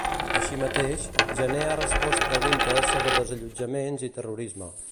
Així mateix, Jané ha respost preguntes sobre desallotjaments i terrorisme.